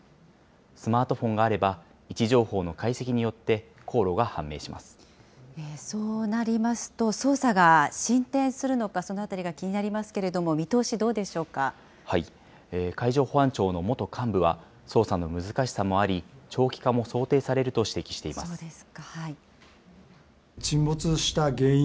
スマートフォンがあれば位置情報の解析によって、航路が判明しまそうなりますと、捜査が進展するのかそのあたりが気になりますけれども、見通し、どうでしょ海上保安庁の元幹部は、捜査の難しさもあり、長期化も想定されると指摘しています。